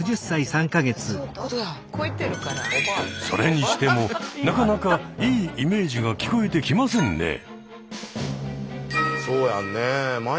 それにしてもなかなかいいイメージが聞こえてきませんねえ。